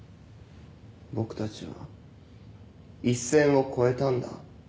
僕たちは一線を越えたんだ。